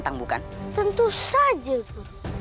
tentu saja guru